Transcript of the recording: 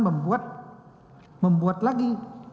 membuat membuat lagi